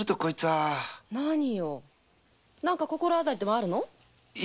何よ何か心当たりでもあるの？